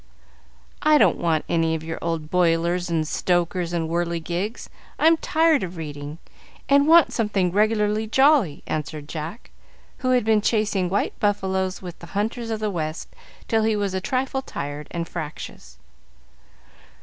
"I don't want any of your old boilers and stokers and whirligigs. I'm tired of reading, and want something regularly jolly," answered Jack, who had been chasing white buffaloes with "The Hunters of the West," till he was a trifle tired and fractious.